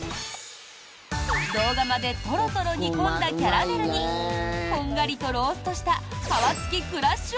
銅釜でトロトロ煮込んだキャラメルにこんがりとローストした皮付きクラッシュ